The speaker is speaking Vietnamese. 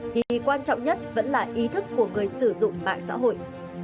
thì quan trọng nhất vẫn là ý thức của người sử dụng mạng xã hội